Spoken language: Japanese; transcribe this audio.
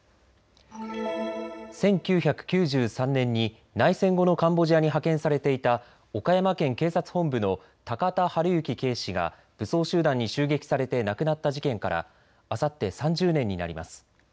１９９３年に内戦後のカンボジアに派遣されていた岡山県警察本部の高田晴行警視が武装集団に襲撃されて亡くなった事件からあさって、３０年になります。